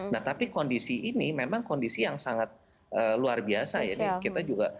nah tapi kondisi ini memang kondisi yang sangat luar biasa ya